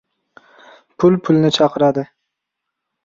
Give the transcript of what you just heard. • Pul pulni chaqiradi.